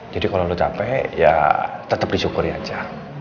jadi kalo lu capek ya tetep disyukuri aja